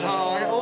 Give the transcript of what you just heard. お。